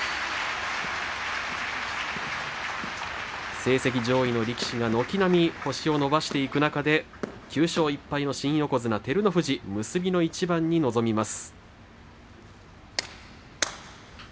成績上位の力士が軒並み星を伸ばしていく中で９勝１敗の新横綱照ノ富士結びの一番に臨みます。